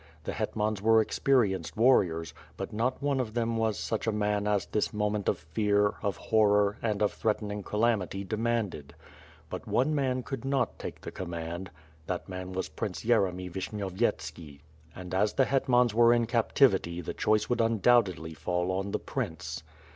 The hetmans were experienced warriors, but not one of them was such a man as this moment of fear, of horror, and of threatening calamity demanded. But one man could not take the command. That man was Prince Yeremy Vishnyovyetski. And as the hetmans were in captivity the choice would undoubtedly fall on the prince.